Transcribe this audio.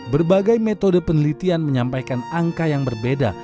berbagai metode penelitian menyampaikan angka yang berbeda